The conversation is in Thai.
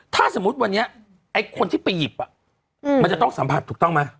ถ้าสมมุติวันนี้ไอ้คนที่ไปหยิบมันจะต้องสัมผัสถูกต้องไหม